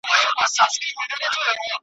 خرڅه په کباړ مو ضرورته کړه هغه